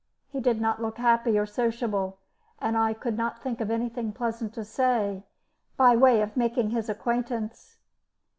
He did not look happy or sociable, and I could not think of anything pleasant to say by way of making his acquaintance.